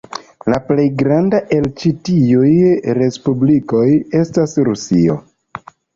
La plej granda el ĉi tiuj respublikoj estis Rusio.